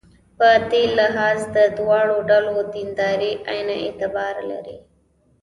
په دې لحاظ د دواړو ډلو دینداري عین اعتبار لري.